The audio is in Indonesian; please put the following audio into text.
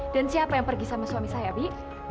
dan siapa yang pergi sama suami saya bibi